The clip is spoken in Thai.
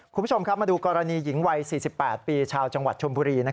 คุณผู้ชมครับมาดูกรณีหญิงวัย๔๘ปีชาวจังหวัดชมบุรี